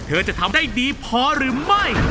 เธอจะทำได้ดีพอหรือไม่